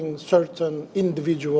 hak hak manusia individu